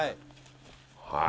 はい。